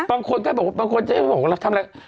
บางคนก็บอกบางคนก็บอกเราทำอะไร